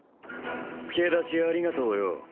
助太刀ありがとうよ。